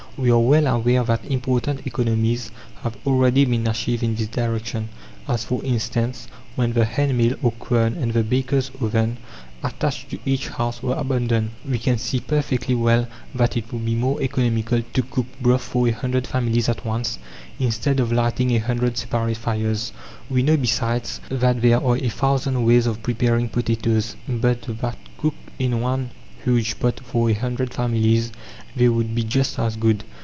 We are well aware that important economies have already been achieved in this direction as, for instance, when the handmill, or quern, and the baker's oven attached to each house were abandoned. We can see perfectly well that it would be more economical to cook broth for a hundred families at once, instead of lighting a hundred separate fires. We know, besides, that there are a thousand ways of preparing potatoes, but that cooked in one huge pot for a hundred families they would be just as good.